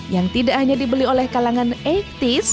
yang tidak hanya dibeli oleh kalangan delapan puluh s